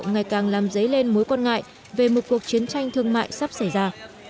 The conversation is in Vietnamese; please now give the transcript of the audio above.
ngày càng làm dấy lên mối quan ngại về một cuộc chiến tranh thương mại sắp xảy ra